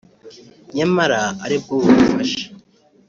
nyamara ari bwo bubafasha